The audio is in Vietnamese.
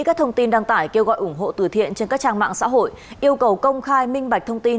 các thông tin đăng tải kêu gọi ủng hộ từ thiện trên các trang mạng xã hội yêu cầu công khai minh bạch thông tin